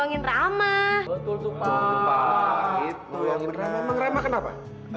uang rama rama kenapa